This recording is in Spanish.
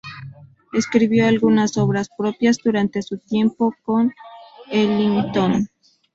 Escribió algunas obras propias durante su tiempo con Ellington.